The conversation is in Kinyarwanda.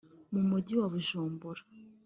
mu Mujyi wa Bujumbura